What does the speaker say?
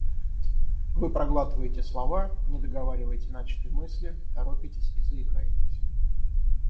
Вы проглатываете слова, не договариваете начатой мысли, торопитесь и заикаетесь.